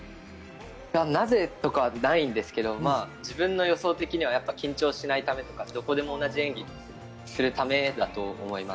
なぜとかはないですけれども、自分の予想的には緊張しないためとか、どこでも同じ演技をするためだと思います。